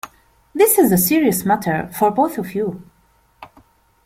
This is a serious matter for both of you.